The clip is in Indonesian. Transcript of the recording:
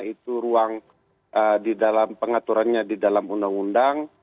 itu ruang di dalam pengaturannya di dalam undang undang